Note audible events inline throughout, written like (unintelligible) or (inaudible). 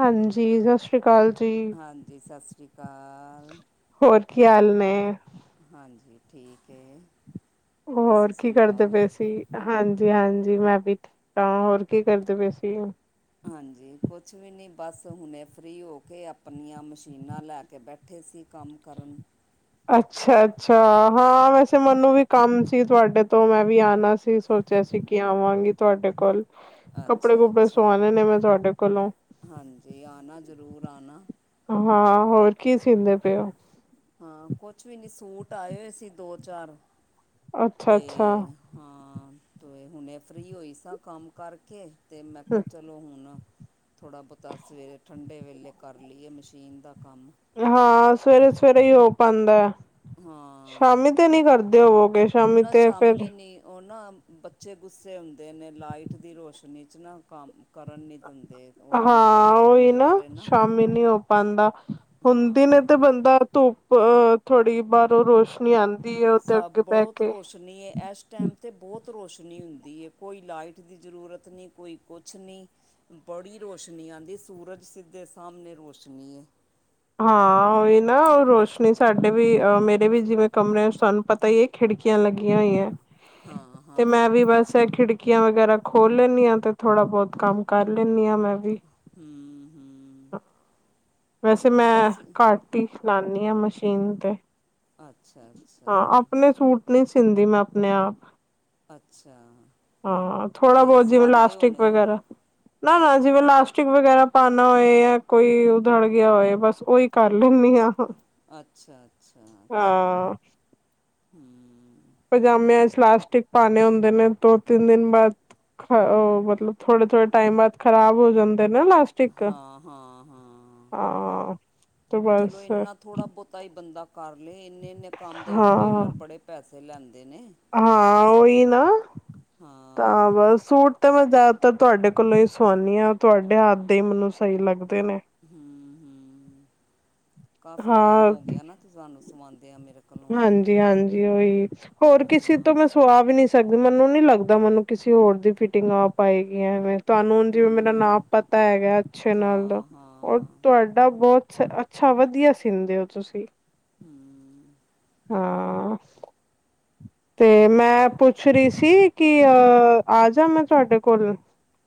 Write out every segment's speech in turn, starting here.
ਹਾਂਜੀ ਸਤਿ ਸ੍ਰੀ ਅਕਾਲ ਜੀ। ਹਾਂਜੀ ਸਤਿ ਸ਼੍ਰੀ ਅਕਾਲ। ਹੋਰ ਕੀ ਹਾਲ ਨੇ? ਹਾਂਜੀ ਠੀਕ ਹੈ। ਤੁਸੀਂ ਹੋਰ ਕੀ ਕਰਦੇ ਸੁਣਾਓ ਪਏ ਸੀਂ? ਹਾਂਜੀ- ਹਾਂਜੀ ਮੈਂ ਵੀ ਠੀਕ ਹਾਂ, ਹੋਰ ਕੀ ਕਰਦੇ ਪਏ ਸੀਂ? ਹਾਂਜੀ ਕੁਛ ਵੀ ਨਹੀਂ ਬਸ ਹੁਣੇ ਫ੍ਰਰੀ ਹੋ ਕੇ ਆਪਣੀਆਂ ਮਸ਼ੀਨਾਂ ਲੈ ਕੇ ਬੈਠੇ ਸੀਂ ਕੰਮ ਕਰਨ। ਅੱਛਾ- ਅੱਛਾ ਹਾਂ ਵੈਸੇ ਮੈਨੂੰ ਵੀ ਕੰਮ ਸੀ ਤੁਹਾਡੇ ਤੋਂ ਮੈਂ ਵੀ ਆਉਣਾ ਸੀ ਸੋਚ ਜੈਸੇ ਕਿ ਆਵਾਂਗੀ ਤੁਹਾਡੇ ਕੋਲ, ਕੱਪੜੇ- ਅੱਛਾ ਕੁੱਪੜੇ ਅੱਛਾ ਸੋਆਣੇ ਨੇ ਮੈਂ ਤੁਹਾਡੇ ਕੋਲ। ਹਾਂਜੀ ਆਣਾ ਜ਼ਰੂਰ ਆਣਾ। ਹਾਂ ਹੋਰ ਕੀ ਸੀਂਦੇ ਪਏ ਹੋ? ਹਾਂ ਕੁਛ ਵੀ ਨਹੀਂ ਸੂਟ ਆਏ ਹੋਏ ਸੀ, ਦੋ- ਚਾਰ ਅੱਛਾ-ਅੱਛਾ, ਤੇ- ਹਾਂ ਤੇ ਹੁਣੇ ਫ੍ਰਰੀ ਹੋਈ ਸਾਂ ਕੰਮ ਕਰਕੇ ਤੇ ਮੈਂ ਕਿਹਾ ਚਲੋ ਚਲੋ ਹੁਣ, ਥੋੜਾ ਬਹੁਤਾ ਸਵੇਰੇ ਠੰਡੇ ਵੇਲੇ ਕਰ ਲਈਏ ਮਸ਼ੀਨ ਦਾ ਕੰਮ। ਹਾਂ ਸਵੇਰੇ- ਸਵੇਰੇ ਹੀ ਹੋ ਪਾਉਂਦਾ ਹੈ। ਹਾਂ, ਹੋਵੋਗੇ ਸ਼ਾਮੀ ਨਾ ਤੇ ਫਿਰ ਸ਼ਾਮੀ ਨੀ ਉਹ ਨਾ ਬੜੇ ਗੁੱਸੇ ਹੁੰਦੇ ਨੇ ਲਾਈਟ ਦੀ ਰੋਸ਼ਨੀ ਚ ਨਾ ਕੰਮ ਕਰਨ ਦਿੰਦੇ ਉਹ ਨਜ਼ਰ ਹਾਂ ਉਹੀ ਨਾ, ਕਮਜ਼ੋਰ ਹੈ ਸ਼ਾਮੀ ਨੀ ਹੋ ਪਾਉਂਦਾ ਹੁਣੇ ਦਿਨੇ ਹਾਂ ਤੇ ਬੰਦੇ ਬਾਹਰ ਧੂੱਪ ਥੋੜੀ ਬਾਹਰੋਂ ਰੋਸ਼ਨੀ ਆਉਂਦੀ ਹੈ ਉਹਦੇ ਅੱਗੇ ਬਹਿ ਕੇ। ਨਹੀਂ ਏ ਇਸ ਟਾਈਮ ਤੇ ਬਹੁਤ ਰੋਸ਼ਨੀ ਹੁੰਦੀ ਹੈ। ਕੋਈ ਲਾਈਟ ਦੀ ਜ਼ਰੂਰਤ ਨਹੀਂ, ਕੋਈ ਕੁਛ ਨਹੀਂ। ਬੜੀ ਰੋਸ਼ਨੀ ਆਉਂਦੀ ਸੂਰਜ ਸਿੱਧੇ ਸਾਹਮਣੇ ਰੋਸ਼ਨੀ ਹੈ। ਹਾਂ ਓਹੀ ਨਾ ਰੋਸ਼ਨੀ ਸਾਡੇ ਵੀ ਅ ਮੇਰੇ ਵੀ ਜਿਵੇਂ ਕਮਰੇ ਸਾਨੂੰ ਪਤਾ ਈ ਏ ਖਿੜਕੀਆਂ ਲੱਗੀਆਂ ਹੋਈਐਂ ਹਾਂ ਤੇ ਹਾਂ ਮੈਂ ਵੀ ਬਸ ਤੇ ਖਿੜਕੀਆਂ ਵਗੈਰਾ ਖੋਲ ਲੈਂਨੀ ਆਂ ਤੇ ਥੋੜ੍ਹਾ ਬੋਤ ਕੰਮ ਕਰ ਲੈਂਨੀ ਆਂ ਮੈਂ ਵੀ। ਹੂੰ-ਹੂੰ। ਤੇ ਮੈਂ ਘੱਟ ਈ ਲਾਨੀ ਆਂ ਮਸ਼ੀਨ ਤੇ। ਅੱਛਾ-ਅੱਛਾ। ਨਈ ਸੀਂਧੀ ਮੈਂ ਆਪਣੇ ਆਪ। ਅੱਛਾ ਹਾਂ, ਥੋੜਾ ਤੇ ਬੋਤ ਜਿਵੇਂ ਸਵਾਂਦੇ ਲਾਸਟਿਕ ਹੋਣੇ ਹੋ ਵਗੈਰਾ ਨਾ-ਨਾ ਜਿਵੇਂ ਲਾਸਟਿਕ ਵਗੈਰਾ ਪਾਨਾ ਏ ਯਾਂ ਕੋਈ ਉਧੜ ਗਿਆ ਹੋਏ ਬਸ ਓਈ ਕਰ ਲੈਂਨੀ ਆਂ। ਅੱਛਾ-ਅੱਛਾ-ਅੱਛਾ, ਹਾਂ ਹੂੰ। ਪਜਾਮਿਆਂ ਏੱਚ ਲਾਸਟਿਕ ਪਾਨੇ ਹੁੰਦੇ ਨੇ ਦੋ-ਤਿੰਨ ਦਿਨ ਬਾਦ। ਹ ਅ ਮਤਲਬ ਥੋੜੇ-ਥੋੜੇ ਟਾਈਮ ਬਾਦ ਖਰਾਬ ਹੋ ਜਾਂਦੇ ਨਾ ਲਾਸ਼ਟ ਹਾਂ-ਹਾਂ-ਹਾਂ। ਹਾਂ ਤੇ ਚਲੋ ਬਸ ਏਨਾ ਥੋੜਾ ਬੋਤਾ ਈ ਬੰਦਾ ਕਰ ਲਏ ਏਨੇ-ਏਨੇ ਕੰਮ ਦੇ ਈ ਪ ਹਾਂ ਟੇਲਰ ਬੜੇ ਪੈਸੇ ਲੈਂਦੇ ਨੇ। ਹਾਂ, ਓਹੀ ਨਾ ਹਾਂ ਤਾਂ ਬਸ ਸੂਟ ਤੇ ਮੈਂ ਜ਼ਿਆਦਾਤਰ ਤੋਆਡੇ ਕੋਲੋਂ ਈ ਸੋਆਨੀ ਆਂ। ਤੋਆਡੇ ਹੱਥ ਦੇ ਈ ਮੇਨੂੰ ਸਈ ਲੱਗਦੇ ਨੇ। ਹੂੰ-ਹੂੰ, ਕਾਫੀ ਟੈਮ ਹਾਂ ਹੋ ਗਿਐ ਨਾ। ਜਾਨ ਨੂੰ ਸੁਵਾਂਦੇ ਆਂ ਮੇਰੇ ਕਲੋਂ। ਜੀ ਹਾਂਜੀ ਓਈ। ਹੋਰ ਕਿਸੇ ਤੋਂ ਹਾਂ ਮੈਂ ਸੁਆ ਵੀ ਨੀ ਸ ਤਦੀ ਮੇਨੂੰ ਨੀ ਲੱਗਦਾ ਮੇਨੂੰ ਕਿਸੇ ਹੋਰ ਦੀ ਫਿਟਿੰਗ ਆ ਪਾਏਗੀ ਐਵੇਂ। ਤੁਆਨੂੰ ਜਿਵੇਂ ਮੇਰਾ ਨਾਪ ਹੂੰ ਪਤਾ ਹੈਗੈ ਅੱਛੇ ਨਾਲ ਦਾ ਹਾਂ ਓ ਹਾਂ ਤੋਆਡਾ ਬੋਤ ਸ ਅੱਛਾ ਵਧੀਆ ਸੀਂਦੇ ਓ ਤੁਸੀ। ਹੂੰ। ਹਾਂ, ਤੇ ਚਲੋ ਮੈਂ ਪੁੱ ਫ੍ਰੀ ਸੀ ਕਿ ਅ ਆਜਾ ਮੈਂ ਤੋਆਡੇ ਕੋਲ?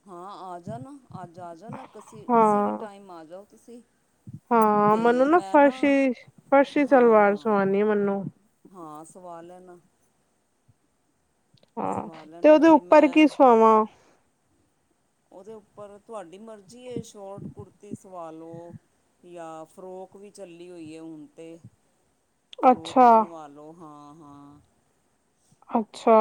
ਹਾਂ ਆ ਜਾਨਾ। ਅੱਜ ਆ ਜਾਨਾ। ਕਿਸੀ, ਕਿਸੀ ਵੀ ਹਾਂ ਟਾਈਮ ਆ ਜਾਓ ਤੁਸੀ। ਹਾਂ, ਮਨੂੰ ਨਾ ਫਰਸ਼ੀ, ਫਰਸ਼ੀ ਹਾਂ ਸਲਵਾਰ ਹਾਂ ਸੁਆਨੀ ਐ ਮਨੂੰ। ਹਾਂ ਸਵਾ ਲੈਨਾ। ਸਵਾ ਲੈਨਾ ਤੇ ਮੈਂ ਪਵਾਂ ਓਦੇ ਉੱਪਰ ਤੁਆਡੀ ਮਰਜ਼ੀ ਏ ਸ਼ੋਰਟ ਕੁਰਤੀ ਸਵਾ ਲੋ ਯਾਂ ਫਰੋਕ ਵੀ ਚੱਲੀ ਹੋਈ ਏ ਹੁਣ ਤੇ ਫਰੋਕ ਅੱਛਾ ਬਨਵਾ ਲੋ, ਹਾਂ-ਹਾਂ। ਅੱਛਾ।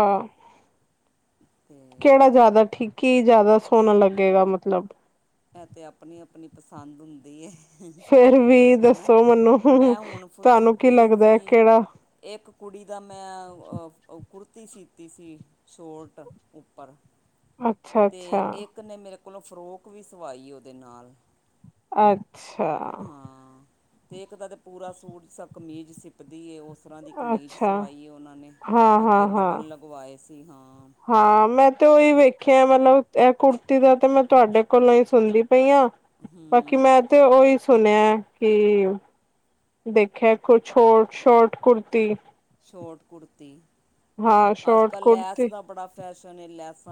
ਤੇ ਕੇੜਾ ਜ਼ਿਆਦਾ ਠੀਕ, ਕੀ ਜਾਦਾ ਸੋਨਾ ਲੱਗੇਗਾ ਮਤਲਬ ਐ ਤੇ ਆਪਣੀ-ਆਪਣੀ ਪਸੰਦ ਹੁੰਦੀ ਏ। ਫੇਰ ਵੀ ਹੈਨਾ, ਦੱਸੋ ਮੈਨੂੰ ਮੈਂ ਹੁਣ ਫ ਤੁਹਾਨੂੰ ਕੀ ਸੀਤੀ ਲੱਗਦਾ ਸੀ। ਕਿਹੜਾ ਏੱਕ ਕੁੜੀ ਦਾ ਮੈਂ ਅ ਕੁੜਤੀ ਸੀਤੀ ਸੀ ਸ਼ੋਰਟ, ਉੱਪਰ ਅੱਛਾ ਤੇ ਅੱਛਾ ਏੱਕ ਨੇ ਮੇਰੇ ਕੋਲੋਂ ਫਰੋਕ ਵੀ ਸਵਾਈ ਏ ਓਦੇ ਨਾਲ। ਅੱਛਾ। ਹਾਂ ਤੇ ਏੱਕ ਦਾ ਤੇ ਪੂਰਾ ਸੂਟ ਸਾ ਕਮੀਜ ਸਿਪਦੀ ਏ ਓਸ ਤਰ੍ਹਾਂ ਦੀ ਕਮੀਜ ਅੱਛਾ ਸਵਾਈ ਏ ਓਨਾਂ ਨੇ। ਹਾਂ ਅੱਗੇ ਹਾਂ ਹਾਂ ਬਟਨ ਲਗਵਾਏ ਸੀ, ਹਾਂ। ਹਾਂ ਮੈਂ ਤੇ ਓਈ ਵੇਖੇਐ ਮਤਲਬ ਐ ਕੁਰਤੀ ਦਾ ਤੇ ਮੈਂ ਤੁਆਡੇ ਕੋਲੋਂ ਈ ਸੁਨਦੀ ਪਈ ਆਂ। ਬਾਕੀ ਹੂੰ ਮੈਂ ਤੇ ਉਹੀ ਸੁਣਿਆ ਕਿ ਦੇਖਿਆ ਕੂਛ ਹੋਰ ਸੋ਼ਟ ਕੁਰਤੀ। ਸ਼ੋਟ ਕੁੜਤੀ, ਹਾਂ ਅੱਜ ਸ਼ੋਟ ਕੱਲ ਕੁੜਤੀ ਲੈਸ ਦਾ ਬੜਾ ਫੈਸ਼ਨ ਹੈ, ਲੈਸ।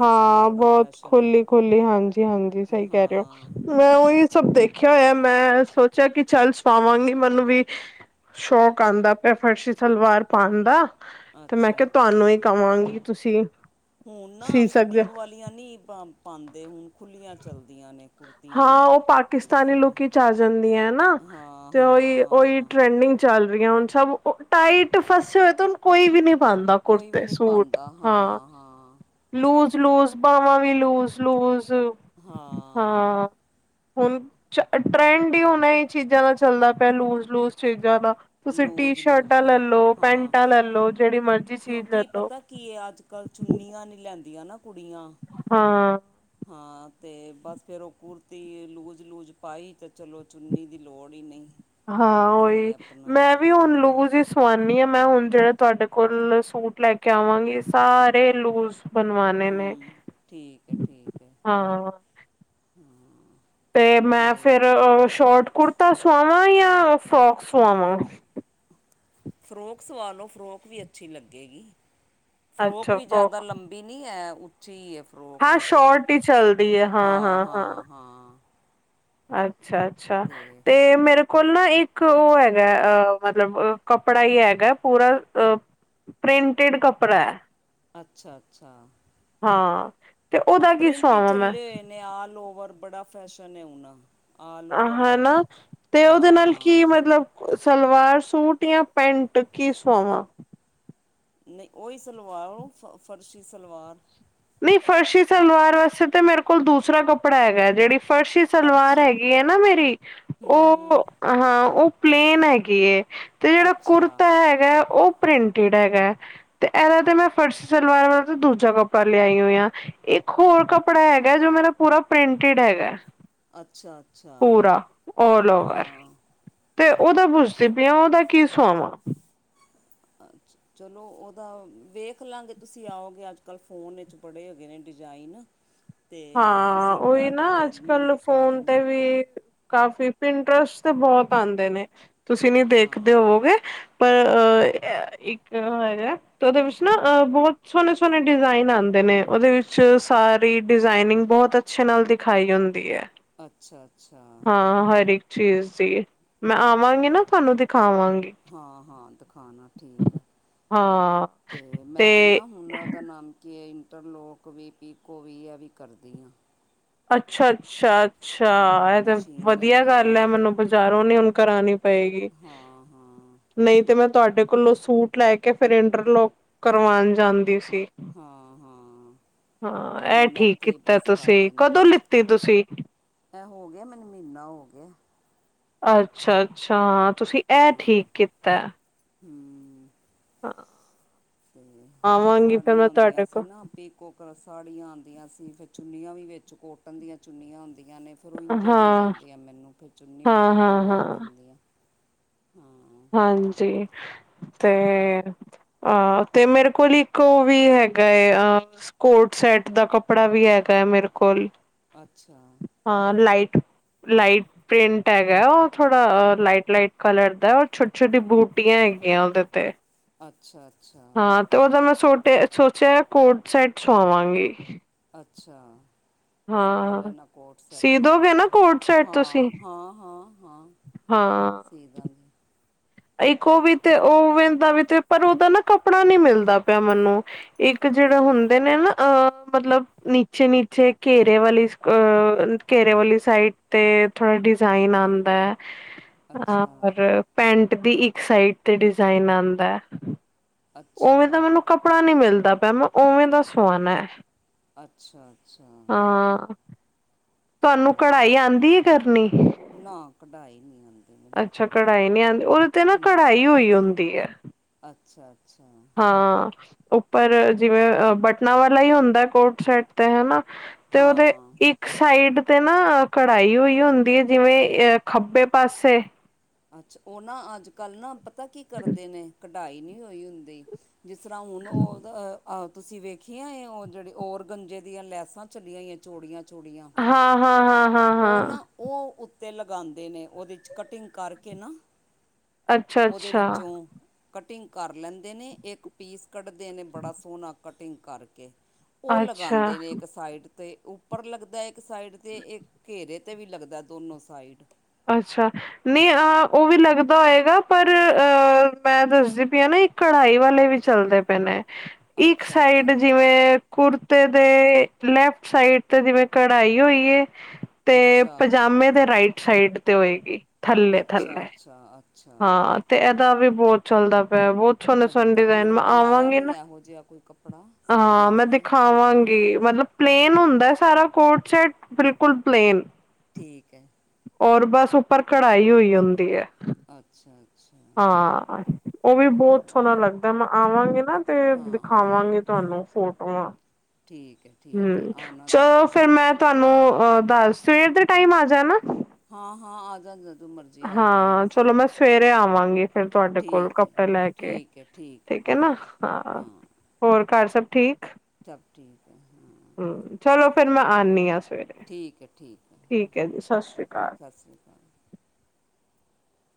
ਹਾਂ ਬਹੁਤ ਏ ਖੁਲੀ- ਖੁਲੀ ਹਾਂਜੀ- ਹਾਂਜੀ ਸਹੀ ਕਹਿ ਰਹੇ ਹਾਂ ਹੋ। ਮੈਂ ਉਹੀ ਸਭ ਦੇਖਿਆ ਹੋਇਆ, ਮੈਂ ਸੋਚਿਆ ਕਿ ਚੱਲ ਸੁਵਾਵਾਂਗੀ ਮੈਨੂੰ ਵੀ ਸ਼ੌਕ ਆਦਾ ਪੈਆ ਫਰਸ਼ੀ ਸਲਵਾਰ ਪਾਉਣ ਦਾ। ਤੇ ਮੈਂ ਅੱਛਾ ਕਿਹਾ ਅੱਛਾ ਤੁਹਾਨੂੰ ਇ ਕਵਾਂਗੀ, ਤੁਸੀਂ ਹੁਣ ਨਾ ਸੀ ਸਕਦੇ ਹੋ ਫਿਟਿੰਗ ਵਾਲੀਆਂ ਨੀ ਪਾ ਪਾਂਦੇ, ਹੁਣ ਖੁੱਲੀਆਂ ਚੱਲਦੀਆਂ ਨੇ। ਕੁੜਤੀਆਂ ਨਾ ਹਾਂ, ਉਹ ਜਿਸ ਪਾਕਿਸਤਾਨੀ ਤਰ੍ਹਾਂ ਲੁੱਕ ਵਿਚ ਆ ਜਾਂਦੀਆਂ ਐ ਹਨਾ, ਹਾਂ ਤੇ ਹਾਂ ਉਹੀ- ਉਹੀ ਹਾਂ ਟਰੈਂਡਿੰਗ ਚੱਲ ਰਹੀਆਂ ਹੁਣ ਸਭ ਉਹ, ਟਾਈਟ ਫਸੇ ਹੋਏ ਤੇ ਹੁਣ ਕੋਈ ਵੀ ਨੀ ਪਾਂਦਾ ਕੋਈ ਵੀ ਕੁੜਤੇ ਨਹੀਂ ਸੂਟ, ਪਾਉਂਦਾ ਹਾਂ। ਹਾਂ ਲੂਜ਼- ਲੂਜ ਬਾਵਾਂ ਵੀ ਲੂਜ- ਲੂਜ਼। ਹਾਂ। ਹਾਂ, ਹੁਣ ਟ੍ਰੈਂਡ ਹੀ ਹੁਣ ਹੀ ਚੀਜ਼ਾਂ ਨਾਲ ਚੱਲਦਾ ਪੈਆ, ਲੂਜ- ਲੂਜ ਚੀਜ਼ਾਂ ਦਾ। ਤੁਸੀਂ ਟੀ ਲੋਜ ਲੋਜ ਸ਼ਰਟਾਂ ਦਾ ਲੈਲੋ, ਹਾਂ ਪੈਂਟਾਂ ਲੈਲੋ, ਜਿਹੜੀ ਮਰਜ਼ੀ ਚੀਜ਼ ਲੈ ਕਿਉਂਕਿ ਲੋ ਪਤਾ ਕੀ ਐ, ਅੱਜਕੱਲ ਚੁੰਨੀਆਂ ਨਹੀਂ ਲੈਂਦੀਆਂ ਨਾ ਕੁੜੀਆਂ। ਹਾਂ ਹਾਂ ਤੇ ਬਸ ਫੇਰ ਉਹ ਕੁੜਤੀ ਲੂਜ- ਲੂਜ ਪਾਈ ਤੇ ਚਲੋਂ ਚੁੰਨੀ ਦੀ ਲੋੜ ਹੀ ਨਹੀਂ। ਹਾਂ ਉਹਈ, ਅਤੇ ਆਪਣਾ ਮੈਂ ਵੀ ਹੁਣ ਹਾਂ ਲੂਜ ਇ ਸਵਾਨੀ ਆ, ਮੈਂ ਹੁਣ ਜਿਹੜੇ ਤੁਹਾਡੇ ਕੋਲ ਸੂਟ ਲੈ ਕੇ ਆਵਾਂਗੀ ਸਾਰੇ ਲੂਜ ਬਣਵਾਣੇ ਨੇ, ਹੂੰ ਠੀਕ ਹਾਂ। ਹੂੰ। ਤੇ ਮੈਂ ਫੇਰ ਸ਼ੋਟ ਕੁੜਤਾ ਸੁਆਵਾਂ ਜਾਂ ਫਰੋਕ ਸੁਆਵਾਂ? ਫਰੋਕ ਸਵਾ ਲਓ, ਫਰੋਕ ਵੀ ਅੱਛੀ ਲੱਗੇਗੀ। ਫਰੋਕ ਵੀ ਜ਼ਿਆਦਾ ਲੰਬੀ ਨੀ ਐ ਉ ਚੀ ਆ ਫਰੋਕ ਹਾਂ ਵੀ ਸ਼ੋਰਟ ਛੋਟ, ਹੀ ਚੱਲਦੀ ਹੈ ਹਾਂ- ਹਾਂ, ਹਾਂ। ਅੱਛਾ- ਅੱਛਾ, ਅਤੇ ਤੇ ਮੇਰੇ ਕੋਲ ਨਾ, ਇੱਕ ਉਹ ਹੈਗਾ ਅ ਮਤਲਬ ਕੱਪੜਾ ਹੀ ਹੈਗਾ ਪੂਰਾ ਅ ਪ੍ਰਿੰਟੇਡ ਕੱਪੜਾ ਐ। ਅੱਛਾ- ਅੱਛਾ। ਹਾਂ। ਤੇ ਆ ਉਹਦਾ ਕੀ ਪ੍ਰਿੰਟ ਹੀ ਸੁਆਵਾਂ ਮੈਂ ਚੱਲੇਂ ਹੋਏ ਨੇ, ਆਲਓਵਰ ਬੜਾ ਫੈਸ਼ਨ ਐ ਹੁਣਾ। ਆਹ ਹਨਾ, ਤੇ ਉਹਦੇ ਨਾਲ ਹਾਂ ਕੀ ਮਤਲਬ ਸਲਵਾਰ ਸੂਟ ਜਾਂ ਪੈਂਟ ਕੀ ਸੁਵਾਵਾਂ? ਨਹੀਂ ਉਹੀ ਸਲਵਾਔ ਉਹ ਫ ਫਰਸ਼ੀ ਸਲਵਾਰ। ਨਈ ਫਰਸ਼ੀ ਸਲਵਾਰ ਵਾਸਤੇ ਤਾਂ ਮੇਰੇ ਕੋਲ ਦੂਸਰਾ ਕੱਪੜਾ ਹੈਗਾ ਐ, ਜਿਹੜੀ ਫਰਸ਼ੀ ਸਲਵਾਰ ਅੱਛਾ ਹੈਗੀ ਐਂ ਨਾ ਮੇਰੀ, ਹੂੰ ਹੂੰ ਉਹ ਹਾਂ ਉਹ ਪਲੇਨ ਹੈਗੀ ਐ। ਤੇ ਜਿਹੜਾ ਅੱਛਾ ਕੁੜਤਾ ਹੈਗਾ ਐ, ਉਹ ਪ੍ਰਿੰਟਿਡ ਹੈਗਾ ਐ, ਤੇ ਇਹਦਾ ਤੇ ਮੈਂ ਫਰਸ਼ ਸਲਵਾਰ ਵਾਲ ਤੇ ਦੂਜਾ ਕੱਪ ੜਾ ਲਿਆਈ ਹੋਈ ਆ, ਇੱਕ ਹੋਰ ਕੱਪੜਾ ਹੈਗਾ ਜੋ ਮੇਰਾ ਪੂਰਾ ਪ੍ਰਿੰਟਡ ਹੈਗਾ। ਅੱਛਾ- ਅੱਛਾ। ਪੂਰਾ ਉਲਓਵਰ, ਹਾਂ ਤੇ ਉਹਦਾ ਪੁਛਦੀ ਪਈ ਆ ਉਹਦਾ ਕੀ ਸੁਆਵਾਂ? ਅੱਛਾ। ਚਲੋਂ ਉਹਦਾ ਵੇਖ ਲਾਂਗੇ, ਤੁਸੀਂ ਆਓਗੇ ਅੱਜ ਕੱਲ ਫੋਨ ਵਿੱਚ ਬੜੇ ਹੈਗੇ ਨੇ ਡਿਜ਼ਾਇਨ। (inaudible) ਹਾਂ, ਤੁਸੀਂ ਉਹੀ ਕੱਢ ਨਾ ਕੇ ਅੱਜ ਮੈਨੂੰ ਕੱਲ ਦਿਖਾ ਫੋਨ ਤੇ ਦੇਣਾ ਵੀ ਕਾਫ਼ੀ ਪਿੰਟਰਸਟ ਤੇ ਬਹੁਤ ਆਉਂਦੇ ਨੇ, ਤੁਸੀਂ ਨੀ ਦੇਖਦੇ ਹਾਂ ਹੋਵੋਗੇ। (inaudible) ਆ ਹ ਇੱਕ ਓ ਹੈਗਾ। ਤੇ ਉਹਦੇ ਵਿੱਚ ਨਾ ਅ ਬਹੁਤ ਸੋਹਣੇ- ਸੋਹਣੇ ਡਿਜ਼ਾਇਨ ਆਉਂਦੇ ਨੇ, ਉਹਦੇ ਵਿੱਚ ਸਾਰੇ ਈ ਡਿਜ਼ਾਇਨਿੰਗ ਬਹੁਤ ਅੱਛੇ ਨਾਲ ਦਿਖਾਈ ਹੁੰਦੀ ਐ। ਅੱਛਾ- ਅੱਛਾ। ਹਾਂ ਹਰ ਇੱਕ ਚੀਜ਼ ਦੀ, ਮੈਂ ਆਵਾਂਗੀ ਅੱਛਾ ਨਾ ਤੁਹਾਨੂੰ ਦਿਖਾਵਾਂਗੀ। ਹਾਂ- ਹਾਂ, ਦ ਖਾਣਾ ਠੀਕ ਹੈ ਹਾਂ ਤੇ ਮੈਂ ਨਾ ਹੁਣ ਉਹ ਦਾ ਨਾਮ ਕਿ ਇੰਟਰਲੋਕ ਵੀ, ਪੀਕੋ ਵੀ, ਆ ਵੀ ਕਰਦੀ ਹਾਂ। ਅੱਛਾ-ਅੱਛਾ, ਅੱਛਾ ਹਾਂ ਇਹ ਤੇ ਮਸ਼ੀਨ ਲੈ ਵਧੀਆ ਲਈ ਗੱਲ ਮੈਂ ਹੈ ਮੈਨੂੰ ਬਾਜ਼ਾਰੋਂ ਨੀ ਹੁਣ ਕਰਾਉਣੀ ਪਏਗੀ ਹਾਂ ਹਾਂ ਨਹੀਂ ਤੇ ਮੈਂ ਤੁਹਾਡੇ ਕੋਲੋਂ ਸੂਟ ਲੈ ਕੇ ਫੇਰ ਇੰਟਰਲੋਕ ਕਰਵਾਉਣ ਜਾਂਦੀ ਸੀ। ਹਾਂ ਹਾਂ ਹਾਂ ਅਤੇ ਇਹ ਹੁਣ ਠੀਕ ਇੱਥੇ ਹੀ ਕੀਤਾ ਬਸ ਕਰ ਤੁਸੀਂ, ਦਿੰਦੀ ਕਦੋਂ ਹਾਂ ਲਿੱਤੀ ਤੁਸੀਂ। ਇਹ ਹੋ ਗਿਆ ਮੈਨੂੰ ਮਹੀਨਾ ਹੋ ਗਿਆ। ਅੱਛਾ-ਅੱਛਾ ਤੁਸੀਂ ਇਹ ਹਾਂ ਠੀਕ ਕੀਤਾ। ਹੂੰ। ਹਾਂ ਅਤੇ ਉਹ ਆਵਾਂਗੀ ਫਿਰ ਸਾੜੀਆ ਮੈਂ ਹੁਉਂਦੀਆਂ ਤੁਹਾਡੇ ਸੀ ਕੋਲ ਨਾ ਪੀਕੋ ਕਰੋ ਸਾੜੀਆਂ ਆਉਂਦੀਆਂ ਸੀ ਫੇਰ ਚੁੰਨੀਆਂ ਵੀ ਵਿੱਚ ਕੋਟਨ ਦੀਆਂ ਚੁੰਨੀਆਂ ਆਦੀਆਂ ਨੇ ਫੇਰ ਉਹ ਇੰਜੇ ਦੇ ਹਾਂ ਜਾਂਦੇ ਆ ਮੈਨੂੰ ਫੇਰ ਚੁੰਨੀ ਵੀ ਹਾਂ ਪੀਕੋ ਹਾਂ ਕਰ ਹਾਂ ਦਿੰਦੀ ਆ, ਹੂੰ। ਹਾਂਜੀ ਤੇ ਆ ਤੇ ਮੇਰੇ ਕੋਲ ਇੱਕ ਉਹ ਵੀ ਹੈਗਾ ਅ ਕੋਟ ਸੈਟ ਦਾ ਕੱਪੜਾ ਵੀ ਹੈਗਾ ਹੈ, ਮੇਰੇ ਕੋਲ। ਅੱਛਾ। ਹਾਂ ਲਾਈਟ, ਲਾਈਟ ਪ੍ਰਿੰਟ ਹੈਗਾ ਉਹ ਥੋੜਾ ਲਾਈਟ-ਲਾਈਟ ਕਲਰ ਦਾ। ਛੋਟੀ-ਛੋਟੀ ਬੂਟੀਆਂ ਹੈਗੀਆਂ ਉਹਦੇ ਤੇ। ਅੱਛਾ-ਅੱਛਾ। ਹਾਂ ਤੇ ਉਹਦਾ ਮੈਂ ਸੋਟਿਆ ਸੋਚਿਆ ਕੋਟ ਸੈਟ ਸਆਵਾਂਗੀ। ਅੱਛਾ। ਸਵਾ ਲੈਨਾ ਕੋਟ ਸੈਟ ਸੀ ਹਾ, ਦੋਗੇ ਨਾ ਕੋਟ ਸੈਟ ਤੁਸੀਂ ਹਾ-ਹਾਂ ਹਾਂ-ਹਾਂ। ਹਾਂ। ਦੇ ਦਾਂਗੀ। ਇੱਕ ਉਹ ਵੀ ਤੇ, ਉਹਦਾ ਵੀ ਤੇ ਪਰ ਉਹਦਾ ਨਾ ਕੱਪੜਾ ਨੀ ਮਿਲਦਾ ਪੇਆ ਮੈਨੂੰ ਇੱਕ ਕਿ ਜਿਹੜੇ ਹੁੰਦੇ ਨੇ ਨਾ ਅ ਮਤਲਬ ਨੀਚ ਫੇਰ ਨੀਚੇ ਘੇਰੇ ਵਾਲੀ, ਘੇਰੇ ਵਾਲੀ ਸਾਈਡ ਤੇ ਥੋੜਾ ਡਿਜ਼ਾਇਨ ਆਉਂਦਾ ਐ। (unintelligible) ਔਰ ਪੈਂਟ ਦੀ ਇੱਕ ਸਾਈਡ ਤੇ ਡਿਜ਼ਾਇਨ ਆਉਂਦਾ ਐ। ਉਵੇਂ ਅੱਛਾ ਦਾ ਮੈਨੂੰ ਕੱਪੜਾ ਨੀ ਮਿਲਦਾ ਪਿਆ ਮੈਂ ਉਵੇਂ ਦਾ ਸਆਣਾ ਐ। ਅੱਛਾ-ਅੱਛਾ। ਹਾਂ ਤੁਹਾਨੂੰ ਤੇ ਕਢਾਈ ਆਉਂਦੀ ਹੈ ਕਰਨੀ। ਨਾ ਕਢਾਈ ਨਹੀਂ ਆਉਂਦੀ। ਮੈਨੂੰ ਅੱਛਾ ਕਢਾਈ ਨਹੀਂ ਆਉਂਦੀ ਉਹਦੇ ਤੇ ਨਾ ਕਢਾਈ ਹੋਈ ਹੁੰਦੀ ਹੈ। ਅੱਛਾ- ਅੱਛਾ। ਹਾਂ ਉੱਪਰ ਜਿਵੇਂ ਬਟਨਾਂ ਵਾਲਾ ਹੀ ਹੁੰਦਾ ਕੋਟ ਸੈਟ ਤੇ ਹਨਾ। ਤੇ ਉਹਦੇ ਹਾਂ ਇੱਕ ਸਾਈਡ ਤੇ ਨਾ ਕਢਾਈ ਹੋਈ ਹੁੰਦੀ ਆ ਜਿਵੇਂ ਅ ਖੱਬੇ ਪਾਸੇ ਅੱਛਾ ਉਹ ਨਾ ਅੱਜ ਕੱਲ੍ਹ ਨਾ ਪਤਾ ਕੀ ਕਰਦੇ ਨੇ ਕਢਾਈ ਨੀ ਹੋਈ ਹੁੰਦੀ ਜਿਸ ਤਰ੍ਹਾਂ ਹੁਣ ਓ ਉਹਦਾ ਤੁਸੀਂ ਵੇਖੀਆਂ ਇਹ ਉਹ ਜਿਹੜੀ ਔਰਗੰਜੇ ਦੀਆਂ ਲੈਸਾਂ ਚੱਲੀਆਂ ਹੋਈਆਂ ਚੋੜੀਆਂ ਚੋੜੀਆਂ ਹਾਂ ਹਾਂ ਹਾਂ ਹਾਂ ਓ ਹਾਂ ਨਾ ਓ ਉੱਤੇ ਲਗਾਉਂਦੇ ਨੇ ਉਹਦੇ 'ਚ ਕਟਿੰਗ ਕਰਕੇ ਨਾ ਅੱਛਾ ਉਹਦੇ ਅੱਛਾ ਵਿੱਚੋਂ ਕਟਿੰਗ ਕਰ ਲੈਂਦੇ ਨੇ ਇੱਕ ਪੀਸ ਕੱਢਦੇ ਨੇ ਬੜਾ ਸੋਹਣਾ ਕਟਿੰਗ ਕਰਕੇ ਉਹ ਅੱਛਾ ਲਗਾਂਦੇ ਨੇ ਇੱਕ ਸਾਈਡ ਤੇ ਉੱਪੜ ਲੱਗਦਾ ਇੱਕ ਸਾਈਡ 'ਤੇ ਇੱਕ ਘੇਰੇ 'ਤੇ ਵੀ ਲੱਗਦਾ ਦੋਨੋਂ ਸਾਈਡ। ਅੱਛਾ ਨਹੀਂ ਉਹ ਵੀ ਲੱਗਦਾ ਹੋਏਗਾ ਪਰ ਅਹ ਮੈਂ ਦੱਸਦੀ ਪਈ ਆ ਨਾ ਇੱਕ ਕੜਾਈ ਵਾਲੇ ਵੀ ਚੱਲਦੇ ਪਏ ਨੇ ਇੱਕ ਅੱਛਾ ਸਾਈਡ ਅੱਛਾ ਜਿਵੇਂ ਕੁੜਤੇ ਦੇ ਲੈਫਟ ਸਾਈਡ ਤੇ ਜਿਵੇਂ ਕਢਾਈ ਹੋਈਏ। ਤੇ ਅੱਛਾ ਪਜਾਮੇ ਦੇ ਰਾਈਟ ਸਾਈਡ ਤੇ ਹੋਏਗੀ। ਥੱਲੇ ਅੱਛਾ, ਥੱਲੇ ਅੱਛਾ ਅੱ ਹਾਂ ਤੇ ਏਦਾ ਵੀ ਬੋਤ ਚੱਲਦਾ ਪਿਆ ਬੋਤ ਸੋਨੇ ਹਜੇ ਸੋਨੇ ਤੱਕ ਡਿਜ਼ਾਇਨ, ਮੇਰੇ ਮੈਂ ਕੋਲ ਆਇਆ ਆਵਾਂਗੀ ਨਾ ਨਹੀਂ ਇਹੋ ਜਿਹਾ ਕੋਈ ਕੱਪੜਾ ਸਿਪਣ ਹਾਂ, ਮੈਂ ਵਾਸਤੇ ਹਾਂ ਦਿਖਾਵਾਂਗੀ ਮਤਲਬ ਪਲੇਨ ਹਾਂ ਹੁੰਦਾ ਸਾਰਾ ਕੋਟ ਸੈਟ ਬਿਲਕੁਲ, ਪਲੇਨ। ਠੀਕ ਐ। ਔਰ ਬਸ ਉੱਪਰ ਕੜਾਈ ਹੋਈ ਹੁੰਦੀ ਐ। ਅੱਛਾ, ਅੱਛਾ। ਹਾਂ, ਓਵੀ ਬੋਤ ਹਾਂ ਸੋਨਾ ਲੱਗਦਾ, ਮੈਂ ਆਵਾਂਗੀ ਨਾ ਤੇ ਹਾਂ ਹਾਂ ਦਿਖਾਵਾਂਗੀ ਤੁਹਾਂਨੂੰ ਫੋਟੋਆਂ ਠੀਕ ਹੈ ਠੀਕ ਹੈ ਹੂੰ, ਆਉਣਾ ਚਲੋ ਤੁਸੀਂ ਫੇਰ ਮੈਂ ਤੁਹਾਨੂੰ ਅ ਦਾਸ ਸਵੇਰ ਦੇ ਟਾਈਮ ਆ ਜਾ ਨਾ ਹਾਂ, ਹਾਂ ਆਜਾ ਜਦੋ ਮਰਜੀ ਜੀ ਆ ਜਾਨਾ ਹਾਂ, ਤੁਸੀਂ, ਚਲੋ ਮੈਂ ਸਵੇਰੇ ਆਵਾਂਗੀ ਫੇਰ ਤੁਹਾਡੇ ਕੋਲ ਠੀਕ ਏ, ਕੱਪੜੇ ਲੈ ਕੇ। ਠੀਕ ਏ, ਠੀਕ ਏ, ਠੀਕ ਏ। ਹਾਂ। ਹੋਰ, ਘਰ ਸਭ ਠੀਕ? ਸਭ ਠੀਕ ਹੈ ਹਾਂ ਹੂੰ, ਚਲੋ ਫੇਰ ਮੈਂ ਆਨੀਂ ਆਂ ਫੇਰ, ਠੀਕ ਹੈ ਹੈ ਹਾਂ ਠੀਕ ਐ ਜੀ। ਸ਼ਾਸਰੀ ਕਾਲ। ਸਤਿ ਸ਼੍ਰੀ ਅਕਾਲ